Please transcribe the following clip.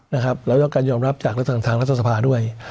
นะครับเราต้องการยอมรับจากทางรัฐศาสตร์ภาคด้วย